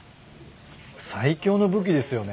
最強の武器ですよね